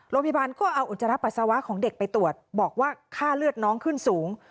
โรงพยาบาลก็เอาอุจจาระปัสสาวะของเด็กไปตรวจบอกว่าค่าเลือดน้องขึ้นสูง